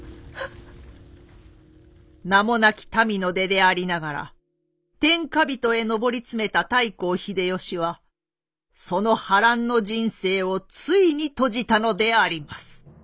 名もなき民の出でありながら天下人へ上り詰めた太閤秀吉はその波乱の人生をついに閉じたのであります。